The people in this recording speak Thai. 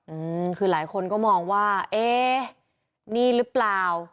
อืมคือหลายคนก็มองว่าเอ๊ะนี่หรือเปล่า